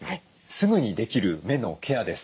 すぐにできる目のケアです。